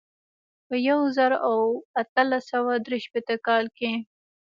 په یو زر او اتلس سوه درې شپېته کال کې.